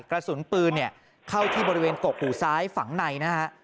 กระสุนปืนเข้าที่บริเวณกกหูซ้ายฝังในนะฮะ